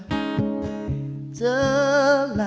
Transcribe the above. kami akan mencoba